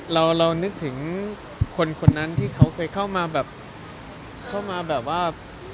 เรานึกถึงคนนั้นที่เขาเคยเข้ามาแบบแบบว่า